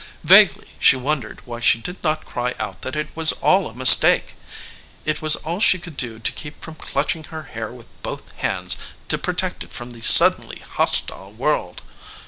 Vaguely she wondered why she did not cry out that it was all a mistake. It was all she could do to keep from clutching her hair with both bands to protect it from the suddenly hostile world.